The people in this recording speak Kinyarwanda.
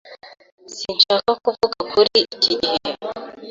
Sinshaka kuvuga kuri iki gihe.